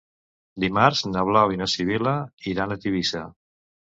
Dimarts na Blau i na Sibil·la iran a Tivissa.